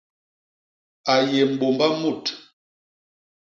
A yé mbômba mut.